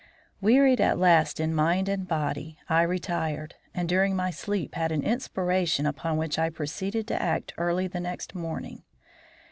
Wearied at last in mind and body, I retired, and during my sleep had an inspiration upon which I proceeded to act early the next morning.